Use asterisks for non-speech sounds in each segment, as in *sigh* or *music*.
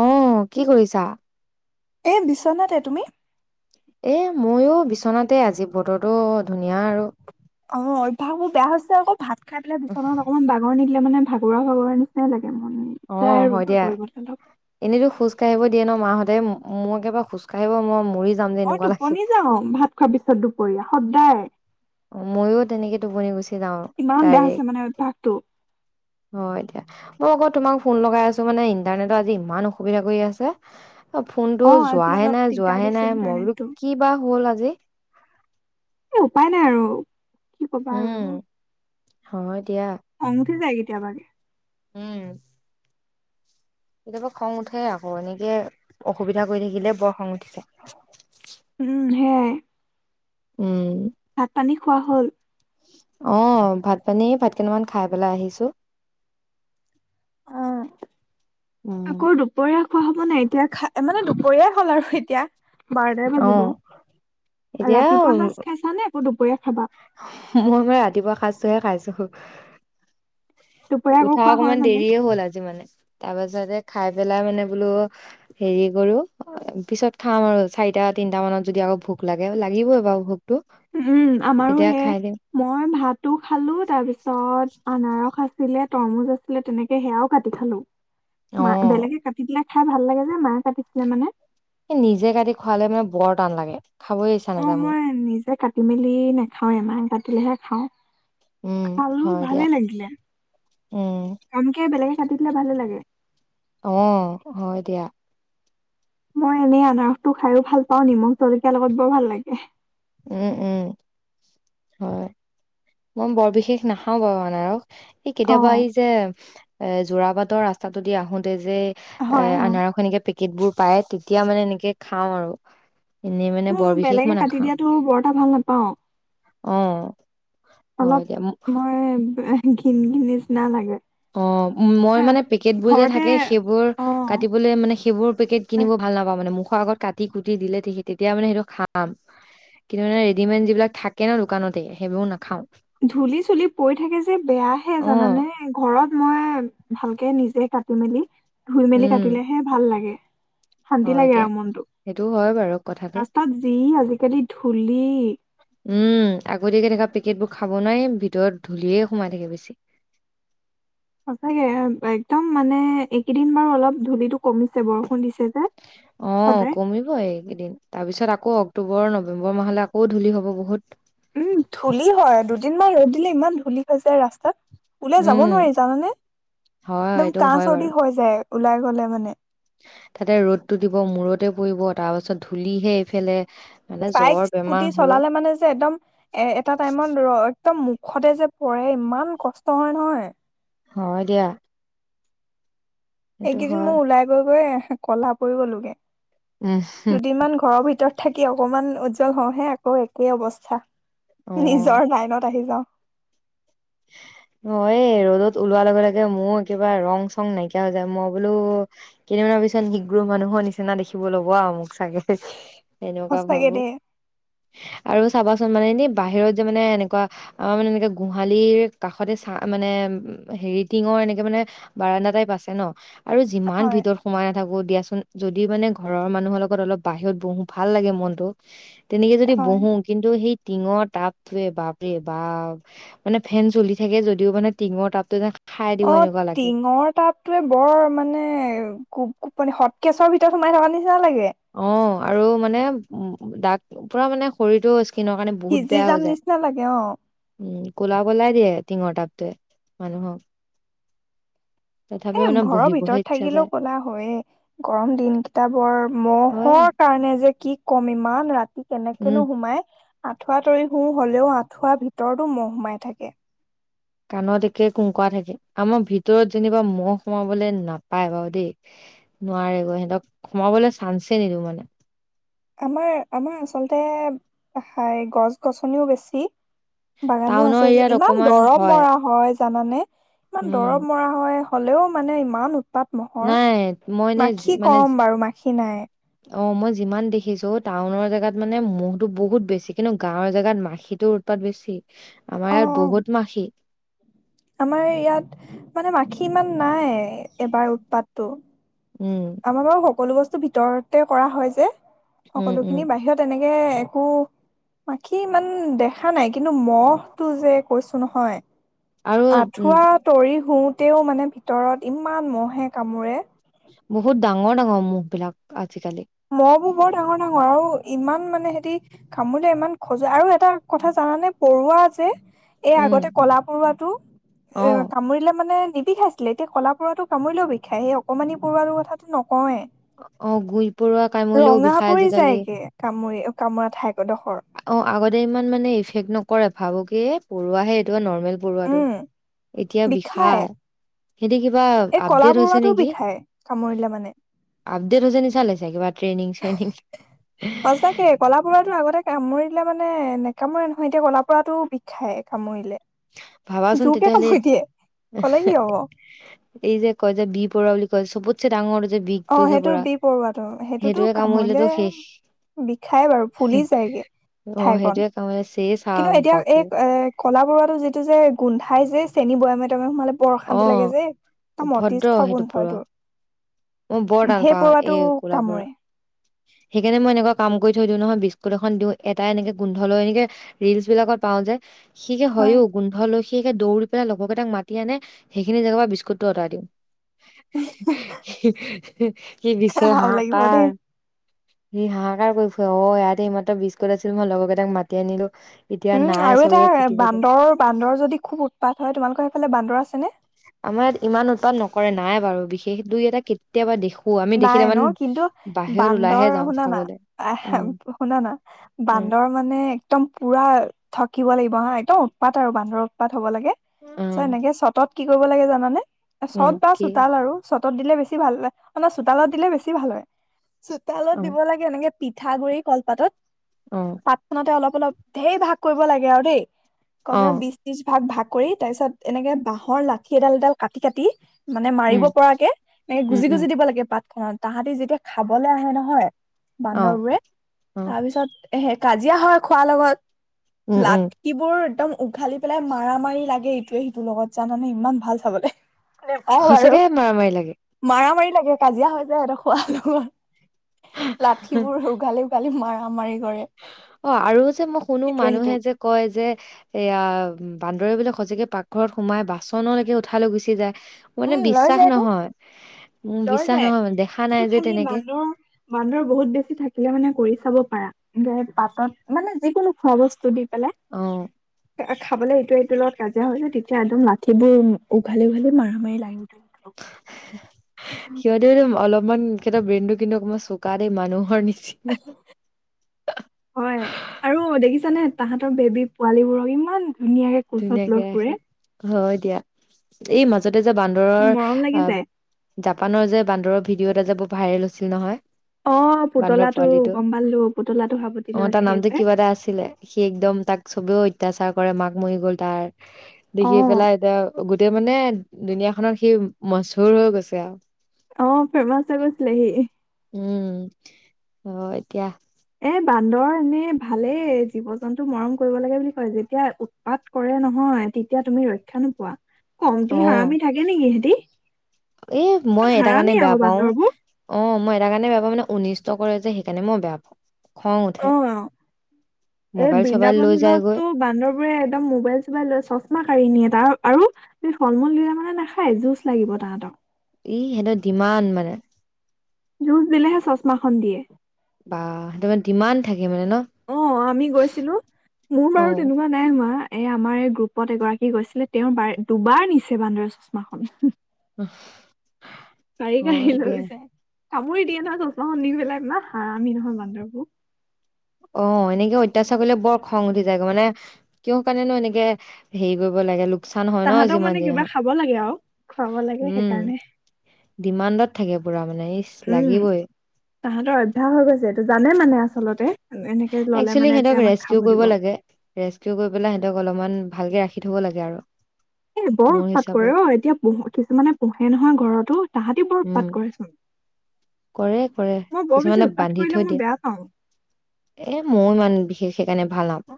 অঁ' কি কৰিছা? এই দিচনাতে, তুমি? এ মইও বিচনাতে আজি, বতৰতো ধুনীয়া আৰু। অঁ' অভ্যাস মোৰ বেয়া হৈছে আকৌ ভাত খাই পেলাই বিচনাত- অকমান বাগৰ নিদিলে মানে ভাগৰুৱ ভাগৰুৰা নিচিনাই লাগে মন। যায় অঁ' আৰু হয় দিয়া। *unintelligible* এনেইতো খোজ কাঢ়িব দিয়ে ন' মাহঁতে, মোৰ একেবা খোজ কঢ়িব মই মৰি যাম যে এনেকুৱা লাগে। টোপনি যাওঁ ভাত খোৱাৰ পিছত দুপৰীয়া সদায়। অ' ময়ো তেনেকে টোপনি গুচি যাওঁ ইমান তাত বেয়া হৈছে মানে অভ্যাস টো। হয় দিয়া, মই আকৌ তোমাক ফোন লগাই আছো মানে ইন্টাৰনেট আজি ইমান অসুবিধা কৰি আছে। অ' ফোনটো আজি যোৱাহে অলপ নাই দিগদাৰ যোৱাহে দিছে নাই মই বোলো ইণ্টাৰনেটটো কি বা হ'ল আজি? এই উপায় নাই আৰু কি কবা উম, আৰু হয় দিয়া। খং উঠি যায় কেতিয়াবাগে। উম। কেতিয়াবা খং উঠে আকৌ, এনেকে অসুবিধা কৰি থাকিলে বৰ খং উঠি যায়। উম সেইয়াই উম। ভাত, পানী খোৱা হ'ল? অ' ভাত পানী ভাত কেইটামান খাই পেলাই আহিছো উম অ' *inaudible* দুপৰীয়া খোৱা হ'ব নাই এতিয়া খা মানে দুপৰীয়াাই হ'ল আৰু এতিয়া। বাৰটাই বাজিব। অ', এতিয়া ৰাতিপুৱা উম, সাজ খাইছা নে? আকৌ দুপৰীয়া খাবা? মই, মই ৰাতিপুৱা সাজটোহে খাইছো। দুপৰীয়াকৌ উঠা খোৱা হয় অকমান মানে। দেৰিয়ে হ'ল আজি মানে তাৰ পাছতে খাই পেলাই মানে বোলো হেৰি কৰো। পিছত খাম আৰু চাৰিটা, তিনটা মানত যদি আকৌ ভোক লাগে লাগিবই বাৰু ভোক। উম আমাৰো সেই। মই ভাতো খালো। তাৰ পিছত আনাৰস আছিলে, তৰমুজ আছিলে তেনেকে সেয়াও কাটি খালো। মা অ', বেলেগে কাটি দিলে খাই ভাল লাগে যে, মায়ে কাটিছিলে মানে। নিজে কাটি খোৱালে মানে বৰ টান লাগে খাবই ইচ্ছা অ', নাযায় মোৰ। মই নিজে কাটি মেলি নাখাও য়ে মায়ে কাটিলেহে খাও উম, খালো হয় দিয়া ভালে লাগিলে উম, এনকে বেলেগে কাটি দিলে ভালে লাগে। অ' হয় দিয়া। মই এনেই আনাৰসটো খাইয়ো ভাল পাওঁ। নিমখ জলকীয়া লগত বৰ ভাল লাগে। উম -উম হয়। মই বৰ বিশেষ নাখাও বাৰু আনাৰস এই কেতিয়াবা অ', এই যে এ যোৰাবাটৰ ৰাস্তা টো দি আহোতে যে এ হয় অ'। আনাৰস এনেকে পেকিং। পেকেট বোৰ পায়। তেতিয়া মানে এনেকে খাওঁ আৰু এনেই মানে মোৰ বৰ বিশেষ বেলেগে মই কাটি নাখাওঁ। দিয়াতো বৰ এটা ভাল নাপাওঁ অহ অলপ মই ঘিন ঘিন নিচিনা লাগে। অ' মই এ, মানে পেকেট বোৰ যে ঘৰতে থাকে। সেইবোৰ অ কাটিবলৈ মানে সেইবোৰ পেকেট কিনিব ভাল নাপাওঁ মানে। মুখৰ আগত কাটি কুটি দিলে তেতি তেতিয়া মানে সেইটো খাম। কিন্তু মানে ৰেডিমেড যিবিলাক থাকে ন দোকানতে সেইবোৰ নাখাওঁ। ধূলি চুলি পৰি থাকে যে বেয়াহে অ জানানে? ঘৰত মই ভালকে নিজে কাটি মেলি ধুই মেলি উম কাটিলেহে ভাল লাগে। শান্তি হয় লাগে দিয়া আৰু মনটো সেইটো হয় বাৰু কথাটো ৰাস্তাত যি আজিকালি ধূলি উম আগতীয়াকে থকা পেকেটবোৰ খাব নোৱাৰি। ভিতৰত ধূলিয়ে সোমাই থাকে বেছি। সচাগে একদম মানে এইকেইদিন বাৰু অলপ ধূলিটো কমিছে বৰষুণ দিছে যে। অ' সদায় কমিব এইকেইদিন তাৰপিছত আকৌ অক্টোবৰ নৱেম্বৰ মাহলৈ আকৌ ধূলি হ'ব বহুত। উম ধূলি হয়। দুদিনমান ৰ'দ দিলে ইমান ধূলি হৈ যায় ৰাস্তাত। ওলাই যাব উম, নোৱাৰি জানানে? হয়, একদম এইটো কাহ হয় বাৰু। চৰ্দি হৈ যায় ওলাই গলে মানে। তাতে ৰ'দটো দিব মূৰতে পৰিব, তাৰ পাছত ধূলিহে এইফালে। মানে বাইক, জ্বৰ, বেমাৰ স্কুটি হৈ চলালে মানে যে এদম এ এটা টাইমত ৰ একদম মুখতে যে পৰে ইমান কষ্ট হয় নহয়। হয় দিয়া! সেইটো এইকেইদিন হয়। মোৰ ওলাই গৈ গৈ কলা পৰি গলোগে। *unintelligible* দুদিনমান ঘৰৰ ভিতৰত থাকি অকমান উজ্জ্বল হওঁহে, আকৌ একেই অৱস্থা। অ', নিজৰ লাইনত আহি যাওঁ। *unintelligible* অ এই ৰ'দত ওলোৱাৰ লগে লগে মোৰ কিবা ৰং চং নাইকিয়া হৈ যায়। মই বোলো কেইদিনমানৰ পিছত নিগ্ৰো মানুহৰ নিচিনা দেখিব ল'ব আৰু মোক চাগে। এনেকুৱা সঁচাকে ভাবো। দেই আৰু চাবাচোন মানে এনে বাহিৰত যে মানে এনেকুৱা আমাৰ মানে এনেকা *unintelligible* গুহালিৰ কাষতে চা মানে হেৰি টিঙৰ এনেকে মানে বাৰাণ্ডা টাইপ আছে ন। আৰু যিমান হয় ভিতৰত সোমাই নাথাকো দিয়াচোন, যদি মানে ঘৰৰ মানুহৰ লগত অলপ বাহিৰত বহো ভাল লাগে মনটো। তেনেকে যদি হয় বহো, কিন্তু সেই টিঙৰ টাপটোৱে বাপৰে বাপ! মানে ফেন চলি থাকে, যদিও মানে টিঙৰ টাপটোৱে অ টিঙৰ তাপ। টোৱে বৰ মানে গোপ-গোপনি হট কেচৰ ভিতৰত সোমাই থকা নিচিনা লাগে। অ' আৰু মানে উ দাক পুৰা মানে শৰীৰটো স্কিনৰ কাৰণে বহুত সিজি বেয়া যাম হৈ যায়, নিচিনা লাগে অ ক'লা পেলায় দিয়ে টিঙৰ টাপটোৱে মানুহক। তথাপি এ মানে ঘৰৰ বহিবহে ভিতৰত ইচ্ছা থাকিলেও যায় ক'লা হয়ে। গৰম দিন কেইটা বৰ হয় ম'হৰ কাৰণে যে কি কম ইমান ৰাতি উম কেনেকেনো সোমাই। আঁঠুৱা তৰি শু, হলেও আঁঠুৱা ভিতৰতো ম'হ সোমাই থাকে। কাণত একে কুংকৰা থাকে, আমাৰ ভিতৰত যেনিবা ম'হ সোমাবলে নাপায় বাৰু দেই। নোৱাৰেগৈ, সিহঁতক সোমাবলে চান্সে নিদিওঁ মানে। আমাৰ আমাৰ আচলতে হাই গছ-গছনিও বেছি। বাগানো টাউনৰ আছে যে, এৰিয়াত ইমান অকমান দৰৱ হয় মৰা হয়। জানানে? ইমান উম দৰৱ মৰা হয় হ'লেও মানে ইমান উৎপাত ম'হৰ, নাই মই নে মাখি মানে কম বাৰু মাখি নাই। অ' মই যিমান দেখিছো টাউনৰ জেগাত মানে ম'হটো বহুত বেছি, কিন্তু গাঁৱৰ জেগাত মাখিটোৰ উৎপাত বেছি, আমাৰ অ ইয়াত বহুত মাখি। আমাৰ ইয়াত মানে মাখি ইমান নাই, এবাৰ উৎপাতটো। উম'। আমাৰ বাৰু সকলো বস্তু ভিতৰতে কৰা হয় যে, উম উম সকলোখিনি বাহিৰত এনেকে একো মাখি ইমান দেখা নাই, কিন্তু ম'হটো যে কৈছো নহয়। আৰু উম আঠুৱা তৰি শুওতেও মানে ভিতৰত ইমান ম'হে কামোৰে। বহুত ডাঙৰ ডাঙৰ মুখ বিলাক আজিকালি। ম'হ বোৰ বৰ ডাঙৰ ডাঙৰ আৰু ইমান মানে সেতি কামোৰিলে ইমান খজুৱাই আৰু এটা কথা জানানে পৰুৱা যে। এই উম আগতে কলা পৰুৱাটো, এ অ কামুৰিলে মানে নিবি খাইছে ছিলে, এতিয়া কলা পৰুৱাটো কামুৰিলেও বিষায় সেই অকণমানি পৰুৱাটোৰ কথাটো নকওঁৱে। অ' গুই পৰুৱা। কামুৰিলেও ৰঙা বিষাই পৰি আজিকালি যায়গে কামোৰে কামোৰা ঠাই ডোখৰ। অঁ আগতে ইমান মানে ইফেক্ট নকৰে, ভাবো কি এ পৰুৱাহে এইটো নৰ্মেল পৰুৱাটো উম এতিয়া বিষাই বিষায়। হেতি কিবা এই কলা আপডেট হৈছে পৰুৱাটো নেকি? বিষাই কামুৰিলে মানে আপডেট হৈছে নিচা লাইছে, কিবা ট্ৰেইনিং চেইনিং সেই কলা পৰাটো আগতে কামুৰিলে মানে নেকামুৰে নহয়, এতিয়া ক'লা পৰাটো বিষায় কামুৰিলে। ভাবাচোন জোৰকে তেতিয়াহ'লে কামুৰি দিয়ে, কলে কি হব। এই যে কয় যে বি পৰুৱা বুলি কয় চবতছে ডাঙৰ যে অ বিগটো যে সেইটো পৰুৱা, বি পৰুৱাটো সেইটোতো সেইটোৱে কামুৰিলেতো কামুৰিলে শেষ। বিষাই বাৰু ফুলি যায়গে অ ঠাইকন সেইটোৱে কামুৰিলে চেছ আও কিন্তু এতিয়া এই বাপৰে! এ কলা পৰুৱাটো যিটো যে গোন্ধাই যে চেনি বয়ামে তয়ামে সোমালে বৰ অ অশান্তি লাগে যে, একম অভদ্ৰ অতিষ্ঠ সেইটো গোন্ধ পৰুৱা এইটোৰ। মই বৰ টান সেই পাওঁ পৰুৱাটো এই ক'লা পৰুৱা কামোৰে। সেইকাৰণে মই এনেকুৱা কাম কৰি থৈ দিওঁ, নহয় বিস্কুট এখন দিওঁ এটা এনেকে গোন্ধ লৈ এনেকে ৰিলচ বিলাকত পাওঁ যে, সি হে হয় হয়ও গোন্ধ লৈ সি হে দৌৰি পেলাই লগৰকেইটাক মাতি আনে, সেইখিনি জেগাৰ পৰা বিস্কুটো আতাই দিওঁ। সি বিচাৰি হাও লাগিব দেই হাহাকাৰ। সি হাহাকাৰ কৰি ফুৱে, অ ইয়াতে এইমাত্ৰ বিস্কুট আছিল মই লগৰ কেইটাক মাতি আনিলো এতিয়া উম নাই আৰু চবে এটা পিটিব এতিয়া বান্দৰ বান্দৰ যদি খুব উৎপাত হয় তোমালোকৰ সেইফালে বান্দৰ আছেনে? আমাৰ ইয়াত ইমান উৎপাদ নকৰে নাই বাৰু বিশেষ দুই এটা কে নাই ন? কিন্তু বাহিৰত বান্দৰ ওলাইহে যাওঁ শুনা না চাবলে আহ উম শুনা না উম বান্দৰ মানে একদম পোৰা থকিব লাগিব হা, একদম উৎপাত আৰু বান্দৰ পাত হব লাগে, অ তাৰছত এনেকে চতত কি কৰিব লাগে জানানে? এ উম চত বা কি চোতাল আৰু চতত দিলে বেছি ভাল অ চোতালত দিলে বেছি ভাল হয়, চোতালত অ দিব লাগে এনেকে পিঠাগুৰি কলপাতত অঁ। পাতখনতে অলপ অলপ ধেৰ ভাগ কৰিব লাগে আৰু দেই, অ কমেও বিশ ত্ৰিছ ভাগ ভাগ কৰি তাৰপিছত এনেকে বাঁহৰ লাঠি এডাল এডাল কাটি কাটি মানে উম, মাৰিব পৰাকে এনেকে উম, গুজি উম। গুজি দিব লাগে পাতখনত, তাহাঁতি যেতিয়া খাবলে আহে নহয় অ', বান্দৰবোৰে অ', তাৰপিছত হে কাজিয়া হয় খোৱাৰ উম, লগত উম, লাত সিবোৰ একদম উঘালি পেলাই মাৰা মাৰি লাগে এইটোৱে সিটোৰ লগত জানানে ইমান ভাল চাবলে। নেপায় বাৰু, সঁচাকে মাৰামাৰি লাগে। মাৰা মাৰি লাগে কাজিয়া হৈ যায় সিহঁতৰ খোৱা লগত। লাঠিবোৰ উঘালি উঘালি মাৰা মাৰি কৰে। অঁ আৰু যে মই শুনো ইটোৱে মানুহে সিটোক যে কয় যে এইয়া বান্দৰ বোলে সচাকে পাকঘৰত সোমাই বাচনলৈকে উঠাল লৈ গুচি যায়? মানে উম লৈ বিশ্বাস যায়তো নহয়, মোৰ লৈ বিশ্বাস যায় নহয় মানে দেখা নাই সেইটো যে খালি তেনেকে। বান্দৰ বান্দৰ বহুত বেছি থাকিলে মানে কৰি চাব পাৰা, পাতত মানে যিকোনো খোৱা বস্তু দি পেলাই অ'। খাবলে এইটোৱে সিটোৰ লগত কাজিয়া হৈ যে, তেতিয়া একদম লাঠি বোৰ উঘালি উঘালি মাৰা মাৰি লাগে *inaudible* সিহঁতেও টো অলপমান সিহঁতৰ ব্ৰেইনটো কিন্তু অকমান চোকা দেই মানুহৰ নিচিনা। হয়, আৰু দেখিছানে তাহঁতৰ বেবী পোৱালী বোৰক ইমান ধুনীয়াকে কোচত ধুনীয়াকে লৈ ৰাখে। ফুৰে। হয় দিয়া, এই মাজতে যে বান্দৰৰ মৰম লাগি আহ যায় জাপানৰ যে বান্দৰৰ ভিডিঅ এটা যে বৰ ভাইৰেল হৈছিল নহয়। অ বান্দৰ পুতলাটো পোৱালিটো, গম পালো পুতলাটো সাৱটি অঁ লৈ তাৰ থাকে নামটো যে কিবা এটা আছিলে। সি একদম তাক চবেও অত্যাচাৰ কৰে মাক মৰি গ'ল তাৰ, অ দেখি পেলাই এতিয়া গোট গোটেই মানে দুুনীয়া খনত সি মচহুৰ হৈ গৈছে আৰু। অঁ' ফেমাচ হৈ গৈছিলে সি। উমঁ, অ' এতিয়া এ' বান্দৰ এনেই ভালেই জীৱ-জন্তু মৰম কৰিব লাগে বুলি কয় যেতিয়া উৎ- পাত কৰে নহয় তেতিয়া তুমি ৰক্ষা নোপোৱা। কমটি অ হাৰামি থাকে নেকি সিহঁতি। এ' ইমান মই এটা হাৰামি কাৰণে আকৌ বেয়া পাওঁ বান্দৰবোৰ অঁ' মই এটা কাৰণে বেয়া পাওঁ মানে অনিষ্ট কৰে যে সেইকাৰণে মই বেয়া পাওঁ খং অ উঠে। এই মোবাইল চবাইল লৈ যায়গৈ বৃন্দাবনখনতটো বান্দৰবোৰে একদম মোবাইল- কিছূমান লৈ চশমা কাঢ়ি নিয়ে তাৰ আৰু ফল-মূল দিলে নহয় নাখায় জুচ লাগিব তাহাঁতক। ই সিহঁতৰ ডিমান মানে। জুচ দিলেহে চচমাখন দিয়ে। বা সেইটোৰ মিনে ডিমান থাকে মানে ন' অ আমি গৈছিলো মোৰ বাৰু অ'। তেনেকুৱা নাই হোৱা, এই আমাৰ এই গ্ৰুপত এগৰাকী গৈছিলে তেওঁৰ বাৰ দুবাৰ নিছে বান্দৰে চচমাখন। উম। কাঢ়ি-কাঢ়ি লৈ যায়, কামুৰি দিয়ে নহয় চচমাখন নি পেলাই আপনাৰ ইমান হাৰামি নহয় বান্দৰবোৰ। অঁ', এনেকে অত্যাচাৰ কৰিলে বৰ খং উঠি যায় গৈ মানে- কিয় কাৰণেনো এনেকে হেৰি কৰিব লাগে। লোকচান হয় ন' তাহাঁতক মানে যিমান যি কিবা নহওঁক, খাব লাগে আৰু খুৱাব লাগে উমঁ। সেইকাৰণে ডিমাণ্ডত থাকে পুৰা মানে ইছ উম লাগিবই। তাহাঁতৰ অভ্যাস হৈ গৈছে এইটো জানে মানে আচলতে এনেকে ল'লে একচুৱেলি মানে যে সিহঁতক আমাক ৰেস্কিউ খাব কৰিব দিব। লাগে ৰেস্কিউ কৰি পেলাই সিহঁতক অলপমান ভালকে ৰাখি থ'ব লাগে আৰু। এ' বৰ মোৰ উৎপাত কৰে হিচাপত ৰ' এতিয়া পোহ কিছুমানে পোহে নহয় ঘৰতো। তাহাঁতি বৰ উম উৎপাত কৰে। কৰে কৰে মই বৰ বেছি কিছুমানে উৎপাত বান্ধি কৰিলে থৈ মই দিয়ে বেয়া পাওঁ। এ' মই ইমান বিশেষ সেইকাৰণে ভাল নাপাওঁ,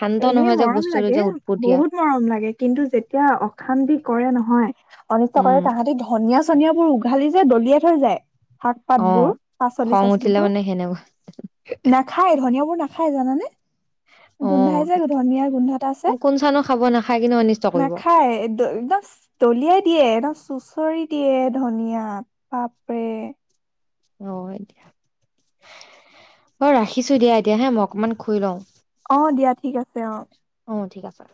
শান্ত এনেই নহয় যে মৰম বস্তুটো লাগে যে উৎপটিয়া। বহুত মৰম লাগে, কিন্তু যেতিয়া অশান্তি কৰে নহয় অনিষ্ট কৰে উম তাহাঁতি ধ- নিয়া-চনিয়াবোৰ উঘালি যে দলিয়াই থৈ যায়। অ শাক-পাতবোৰ খং উঠিলে পাচলি-চাচলিবোৰ। মানে সেনেকুৱা নে‌- খায় ধনিয়াবোৰ নাখায় জানানে। অ গোন্ধাই যে ধনিয়াৰ গোন্ধ এটা আছে, অ কোন চানো খাব নাখায় কিন্তু অনিষ্ট কৰিব নাখায় একদম দলিয়াই দিয়ে একদম চুচৰি দিয়ে ধনিয়াত বাপৰে। অঁ', -হয় দিয়া। মই ৰাখিছো দিয়া এতিয়া হাঁ, মই অকণমান শুই লওঁ। অঁ', - দিয়া ঠিক আছে অঁ',। অঁ', - ঠিক আছে।